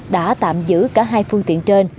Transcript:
đã tạm giữ cả hai phương tiện trên